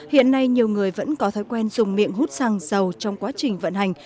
hiện nay nhiều người vẫn có thói quen dùng miệng hút xăng dầu trong quá trình vận hành